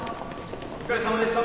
・お疲れさまでした。